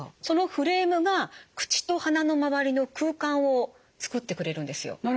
そのフレームが口と鼻の周りの空間を作ってくれるんですよ。